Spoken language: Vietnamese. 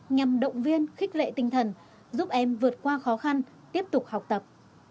nhằm động viên khích lệ tinh thần giúp em vượt qua khó khăn tiếp tục học tập